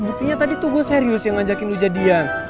buktinya tadi tuh gue serius yang ngajakin lu jadian